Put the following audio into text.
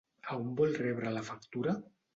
A on vol rebre la factura?